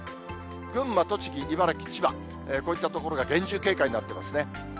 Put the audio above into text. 群馬、栃木、茨城、千葉、こういった所が厳重警戒になってますね。